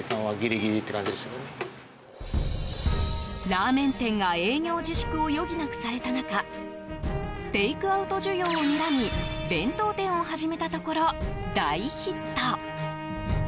ラーメン店が営業自粛を余儀なくされた中テイクアウト需要をにらみ弁当店を始めたところ大ヒット。